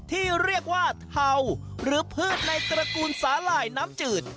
ที่เรียกว่าเทาหรือพืชในตระกูลสาหร่ายน้ำจืด